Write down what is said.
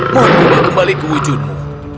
mohon kubah kembali ke wujudmu